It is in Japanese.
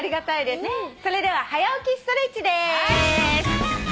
それでは「はや起きストレッチ」です。